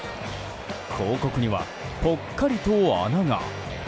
広告には、ぽっかりと穴が。